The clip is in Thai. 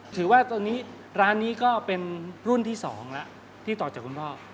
ถือว่าตอนนี้ร้านนี้ก็เป็นรุ่นที่๒แล้วที่ต่อจากคุณพ่อ